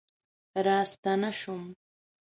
راستنه شوم